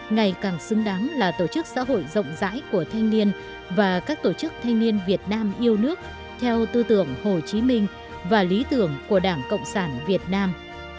ngày càng xứng đáng là tổ chức xã hội rộng rãi của thanh niên và các tổ chức thanh niên việt nam yêu nước theo tư tưởng hồ chí minh và lý tưởng của đảng cộng sản việt nam